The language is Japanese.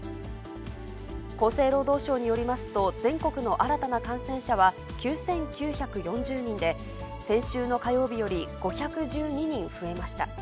厚生労働省によりますと、全国の新たな感染者は９９４０人で、先週の火曜日より５１２人増えました。